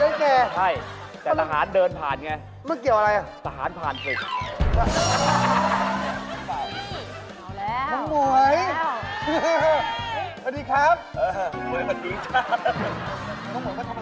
ตอนนี้หน้าหนาวแล้วหนาวแค่ผิวหมวยแกแตกละค่ะพี่ดูสิค่ะ